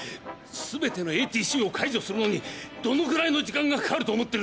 すべてのＡＴＣを解除するのにどのぐらいの時間がかかると思ってるんだ！？